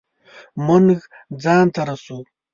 مونږ ځان ته رسو